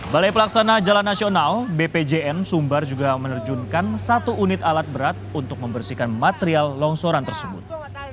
balai pelaksana jalan nasional bpjn sumbar juga menerjunkan satu unit alat berat untuk membersihkan material longsoran tersebut